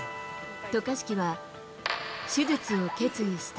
渡嘉敷は手術を決意した。